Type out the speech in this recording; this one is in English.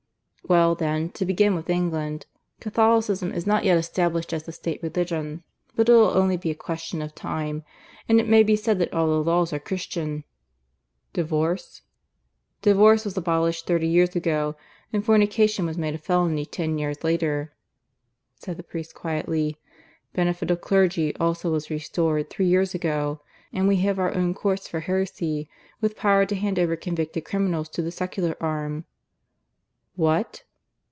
"Well then, to begin with England. Catholicism is not yet established as the State Religion; but it'll only be a question of time, and it may be said that all the laws are Christian." "Divorce?" "Divorce was abolished thirty years ago, and fornication was made a felony ten years later," said the priest quietly. "Benefit of clergy also was restored three years ago; and we have our own courts for heresy, with power to hand over convicted criminals to the secular arm." "What?"